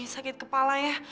sakit kepala ya